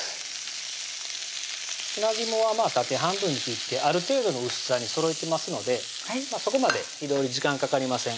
砂肝は縦半分に切ってある程度の薄さにそろえてますのでそこまで火通り時間かかりません